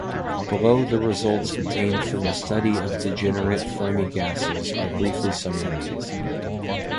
Below the results obtained from the study of degenerate Fermi gases are briefly summarized.